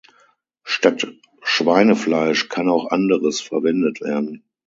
Statt Schweinefleisch kann auch anderes verwendet werden.